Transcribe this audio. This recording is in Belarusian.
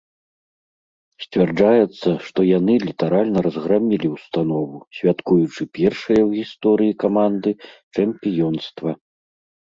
Сцвярджаецца, што яны літаральна разграмілі ўстанову, святкуючы першае ў гісторыі каманды чэмпіёнства.